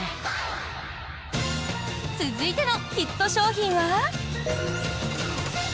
続いてのヒット商品は。